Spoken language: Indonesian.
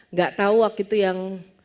nggak tahu waktu itu yang